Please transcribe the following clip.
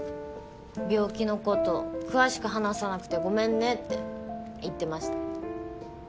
病気のこと詳しく話さなくてごめんねって言ってました。